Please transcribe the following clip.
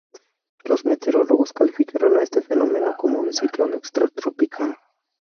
Los meteorólogos calificaron a este fenómeno como un ciclón extratropical.